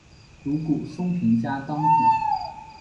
竹谷松平家当主。